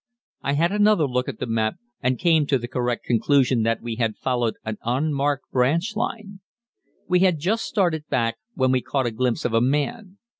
I had another look at the map and came to the correct conclusion that we had followed an unmarked branch line. We had just started back, when we caught a glimpse of a man.